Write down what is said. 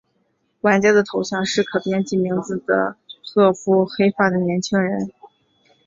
玩家的头像是可编辑名字的褐肤黑发的年轻人。